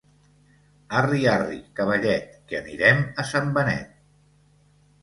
Arri, arri, cavallet, que anirem a Sant Benet...